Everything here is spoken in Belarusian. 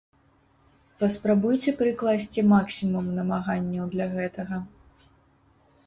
Паспрабуйце прыкласці максімум намаганняў для гэтага.